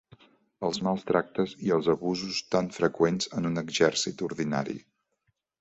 Els mals tractes i els abusos, tan freqüents en un exèrcit ordinari